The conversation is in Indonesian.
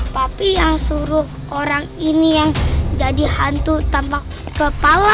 tapi yang suruh orang ini yang jadi hantu tanpa kepala